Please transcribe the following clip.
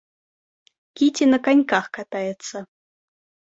Кити на коньках катается.